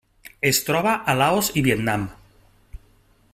Es troba a Laos i Vietnam.